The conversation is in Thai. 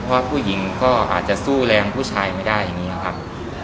เพราะผู้หญิงก็อาจจะสู้แรงผู้ชายไม่ได้อย่างนี้นะครับ